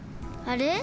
あれ？